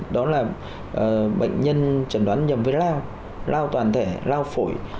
đó là bệnh nhân trần đoán nhầm với lao lao toàn thể lao phổi